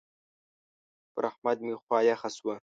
پر احمد مې خوا يخه شوه.